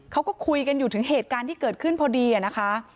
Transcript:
เขาก็คุยกันอยู่ถึงเหตุการณ์ที่เกิดขึ้นพอดีนะคะ